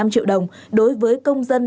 bảy năm triệu đồng đối với công dân